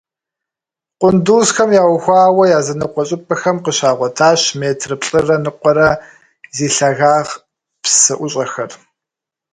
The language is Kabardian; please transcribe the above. Къундузхэм яухуауэ языныкъуэ щӀыпӀэхэм къыщагъуэтащ метр плӀырэ ныкъуэрэ зи лъагагъ псыӀущӀэхэр.